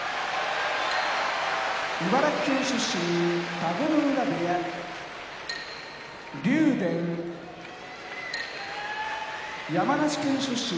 茨城県出身田子ノ浦部屋竜電山梨県出身